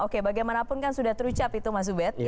oke bagaimanapun kan sudah terucap itu mas ubed